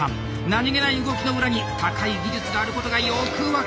何気ない動きの裏に高い技術があることがよく分かりました！